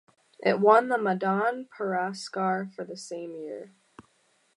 It won the Madan Puraskar for the same year.